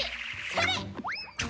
それ！